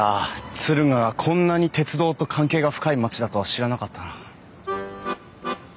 敦賀がこんなに鉄道と関係が深い町だとは知らなかったな。